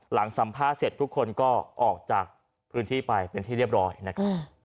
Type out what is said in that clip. หลังสัมภาษณ์เสร็จทุกคนก็ออกจากพื้นที่ไปเป็นที่เรียบร้อยนะครับ